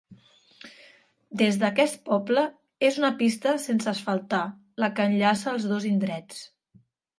Des d'aquest poble és una pista sense asfaltar la que enllaça els dos indrets.